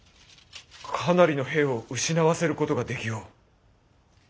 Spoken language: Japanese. かなりの兵を失わせることができよう。